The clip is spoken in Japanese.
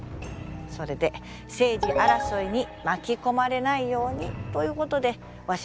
それで政治争いに巻き込まれないようにということでわし